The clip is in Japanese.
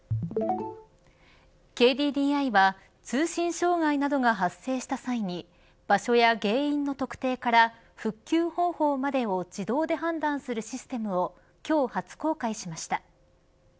ＫＤＤＩは通信障害などが発生した際に場所や原因の特定から復旧方法までを自動で判断するシステムを今日初公開しました。